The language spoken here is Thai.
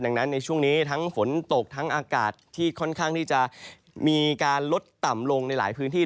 ดังนั้นในช่วงนี้ทั้งฝนตกทั้งอากาศที่ค่อนข้างที่จะมีการลดต่ำลงในหลายพื้นที่